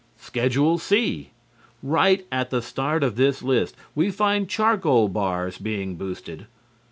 Schedule C Right at the start of this list we find charcoal bars being boosted.